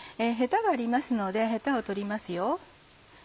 ヘタがありますのでヘタを取ります。